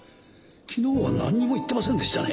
昨日はなんにも言ってませんでしたね。